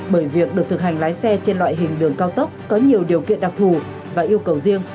bởi việc được thực hành lái xe trên loại hình đường cao tốc có nhiều điều kiện đặc thù và yêu cầu riêng